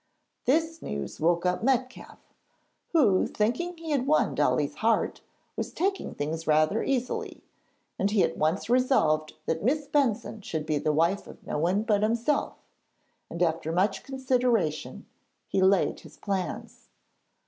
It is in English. This news woke up Metcalfe, who, thinking he had won Dolly's heart, was taking things rather easily, and he at once resolved that Miss Benson should be the wife of no one but himself, and after much consideration he laid his plans.